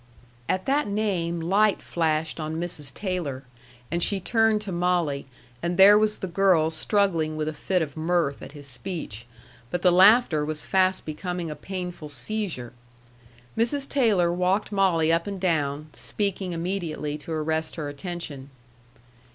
At that name light flashed on Mrs. Taylor, and she turned to Molly; and there was the girl struggling with a fit of mirth at his speech; but the laughter was fast becoming a painful seizure. Mrs. Taylor walked Molly up and down, speaking mmediately to arrest her attention.